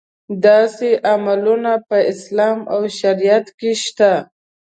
داسې عملونه په اسلام او شریعت کې شته.